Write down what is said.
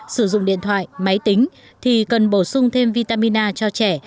sử dụng điện thoại máy tính thì cần bổ sung thêm vitamin a cho trẻ